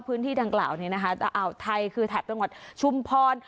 พื้นที่ดังกล่าวเนี่ยนะคะอ่าวไทยคือถัดตั้งหมดชุมพร